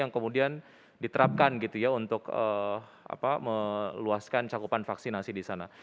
kemudian diterapkan untuk meluaskan cakupan vaksinasi di sana